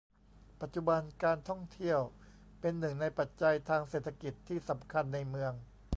ปัจจุบัน การท่องเที่ยวเป็นหนึ่งในปัจจัยทางเศรษฐกิจที่สำคัญในเมือง